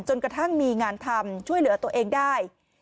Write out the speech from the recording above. กระทั่งมีงานทำช่วยเหลือตัวเองได้